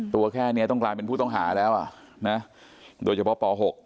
ตัวแค่นี้ต้องกลายเป็นผู้ต้องหาแล้วนะโดยเฉพาะป๖